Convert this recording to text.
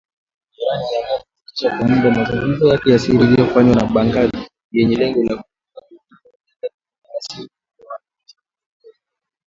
Iran imeamua kusitisha kwa muda mazungumzo yake ya siri yaliyofanywa na Baghdad, yenye lengo la kupunguza mivutano ya miaka mingi na hasimu wake wa kikanda Saudi Arabia